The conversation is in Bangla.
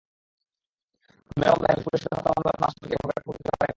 খুলনার খালিশপুরে সুজন হত্যা মামলার কোনো আসামিকে এখনো গ্রেপ্তার করতে পারেনি পুলিশ।